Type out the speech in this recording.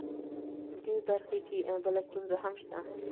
دې برخه کې بله ستونزه هم شته